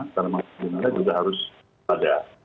termasuk dunia juga harus ada